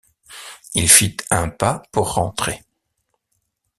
Il fit un pas pour rentrer.